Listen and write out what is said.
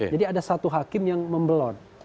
jadi ada satu hakim yang membelon